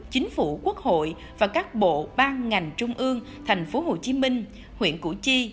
chính phủ quốc hội và các bộ bang ngành trung ương thành phố hồ chí minh huyện củ chi